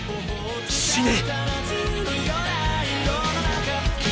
死ね！